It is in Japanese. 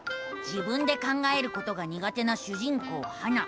自分で考えることがにが手な主人公ハナ。